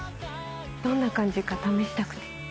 どんな感じか試したくて。